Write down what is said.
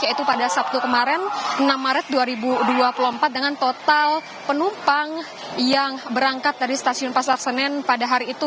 yaitu pada sabtu kemarin enam maret dua ribu dua puluh empat dengan total penumpang yang berangkat dari stasiun pasar senen pada hari itu